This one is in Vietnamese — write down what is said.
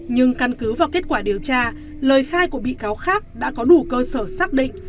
nhưng căn cứ vào kết quả điều tra lời khai của bị cáo khác đã có đủ cơ sở xác định